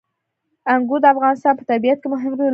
انګور د افغانستان په طبیعت کې مهم رول لري.